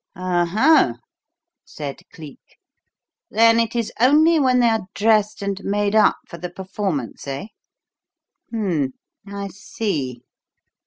"Oho!" said Cleek. "Then it is only when they are dressed and made up for the performance, eh? Hum m m! I see."